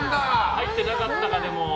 入ってなかったか、でも。